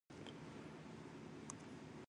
You own the beats.